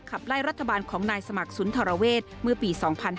ขับไล่รัฐบาลของนายสมัครสุนทรเวศเมื่อปี๒๕๕๙